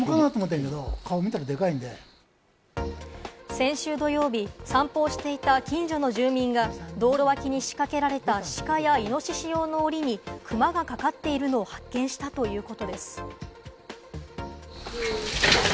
先週土曜日、散歩をしていた近所の住民が道路脇に仕掛けられたシカやイノシシ用の檻にクマがかかっているのを発見したということです。